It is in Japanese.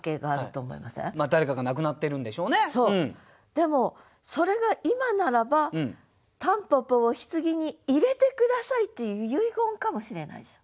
でも「それが今ならば蒲公英を柩に入れて下さい」っていう遺言かもしれないでしょ。